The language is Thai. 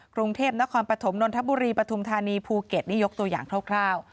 กรุงเทพนครปฐมนนทบุรีปฐุมธานีภูเก็ตนี่ยกตัวอย่างคร่าว